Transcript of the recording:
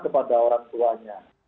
kepada orang tuanya